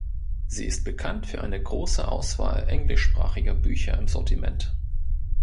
Sie ist bekannt für eine große Auswahl englischsprachiger Bücher im Sortiment.